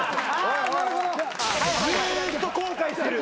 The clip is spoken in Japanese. ずっと後悔してる。